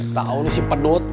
tau ini si pedut